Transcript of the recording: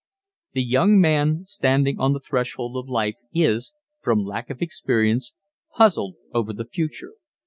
The young man standing on the threshold of life is, from lack of experience, puzzled over the future.